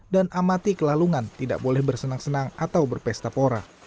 dan amati kelalungan tidak boleh bersenang senang atau berpesta pora